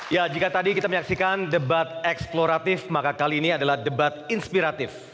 ya jika tadi kita menyaksikan debat eksploratif maka kali ini adalah debat inspiratif